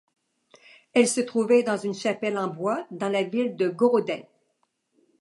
Elle se trouvait dans une chapelle en bois dans la ville de Gorodets.